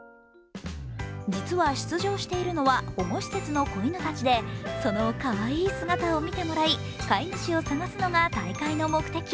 実は、出場しているのは保護施設の子犬たちでそのかわいい姿を見てもらい飼い主を探すのが大会の目的。